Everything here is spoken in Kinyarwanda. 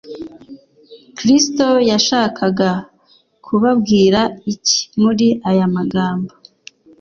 Kristo yashakaga kubabwira iki muri aya magambo